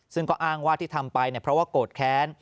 ซึ่งก็อ้างว่าที่ทำไปเพราะว่าโกรธแค้น